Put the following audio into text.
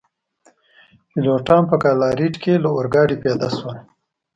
پیلوټان په ګالاریټ کي له اورګاډي پیاده شول.